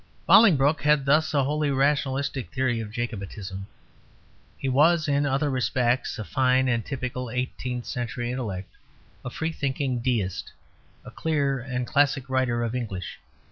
Bolingbroke had thus a wholly rationalistic theory of Jacobitism. He was, in other respects, a fine and typical eighteenth century intellect, a free thinking Deist, a clear and classic writer of English.